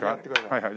はいはい。